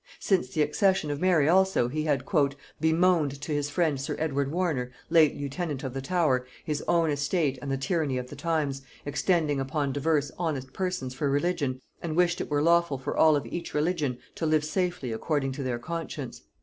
Since the accession of Mary also he had "bemoaned to his friend sir Edward Warner, late lieutenant of the Tower, his own estate and the tyranny of the times, extending upon divers honest persons for religion, and wished it were lawful for all of each religion to live safely according to their conscience.